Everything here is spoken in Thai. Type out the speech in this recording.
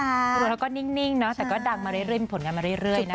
ตัวเขาก็นิ่งเนอะแต่ก็ดังมาเรื่อยมีผลงานมาเรื่อยนะคะ